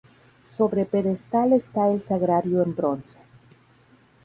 Sobre pedestal está el Sagrario en bronce.